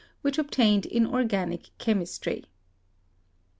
which obtained in organic chemis try.